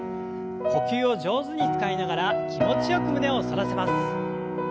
呼吸を上手に使いながら気持ちよく胸を反らせます。